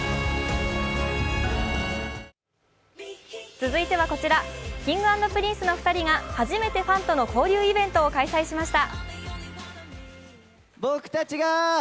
続いては、こちら、Ｋｉｎｇ＆Ｐｒｉｎｃｅの２人が初めてファンとの交流イベントを開催しました。